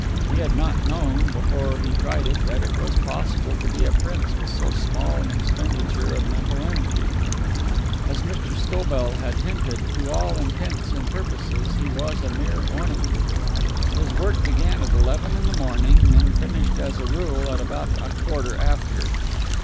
He had not known, before he tried it, that it was possible to be a prince with so small an expenditure of mental energy. As Mr. Scobell had hinted, to all intents and purposes he was a mere ornament. His work began at eleven in the morning, and finished as a rule at about a quarter after.